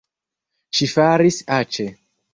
Ŝi fartis aĉe.